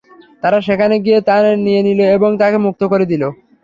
তারা সেখানে গিয়ে তা নিয়ে নিল এবং তাকে মুক্ত করে দিল।